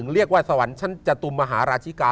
เรียกว่าสวรรค์ชั้นจตุมมหาราชิกา